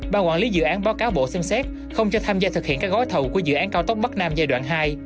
ban quản lý dự án báo cáo bộ xem xét không cho tham gia thực hiện các gói thầu của dự án cao tốc bắc nam giai đoạn hai